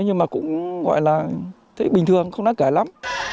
nhưng mà cũng gọi là thấy bình thường không đáng kể lắm